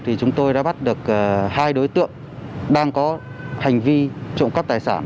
thì chúng tôi đã bắt được hai đối tượng đang có hành vi trộm cắp tài sản